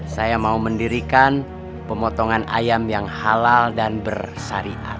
saya mau mendirikan pemotongan ayam yang halal dan bersyariat